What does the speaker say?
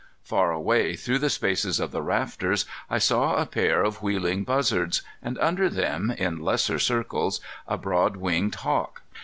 Far away through the spaces of the rafters I saw a pair of wheeling buzzards, and under them, in lesser circles, a broad winged hawk.